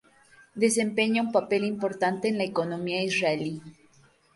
Desempeña un papel importante en la economía israelí.